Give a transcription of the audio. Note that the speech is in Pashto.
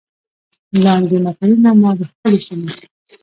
لاندې متلونه ما د خپلې سيمې